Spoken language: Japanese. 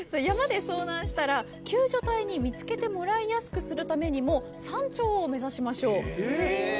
山で遭難したら救助隊に見つけてもらいやすくするためにも山頂を目指しましょう。